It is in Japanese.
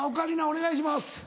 お願いします。